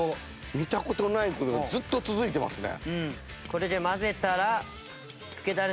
見た事ない事がずっと続いてますね。